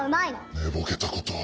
寝ぼけたことを。